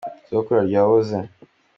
Sogokuru aryoha aboze.